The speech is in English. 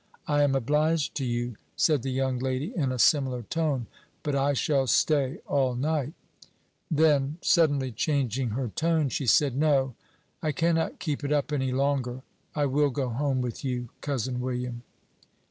"I am obliged to you," said the young lady, in a similar tone, "but I shall stay all night;" then, suddenly changing her tone, she said, "No, I cannot keep it up any longer. I will go home with you, Cousin William."